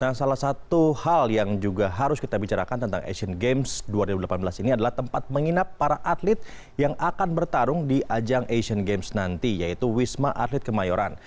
nah salah satu hal yang juga harus kita bicarakan tentang asian games dua ribu delapan belas ini adalah tempat menginap para atlet yang akan bertarung di ajang asian games nanti yaitu wisma atlet kemayoran